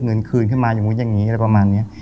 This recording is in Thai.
เงินคืนขึ้นมาอย่างนี้อะไรประมาณเนี้ย